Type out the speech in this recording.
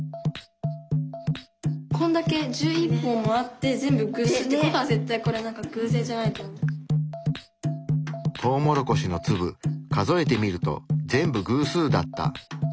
こんだけ１１本もあって全部偶数って事は絶対これはトウモロコシの粒数えてみると全部偶数だった。